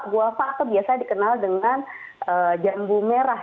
guava atau biasa dikenal dengan jambu merah